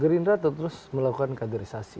gerindra terus melakukan kaderisasi